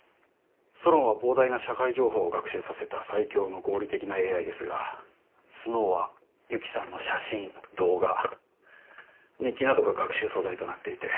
ソロンは膨大な社会情報を学習させた最強の合理的なＡＩですがスノウは雪さんの写真動画日記などが学習素材となっていて。